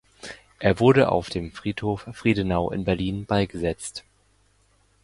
Er wurde auf dem Friedhof Friedenau in Berlin beigesetzt.